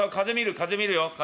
風見るよ。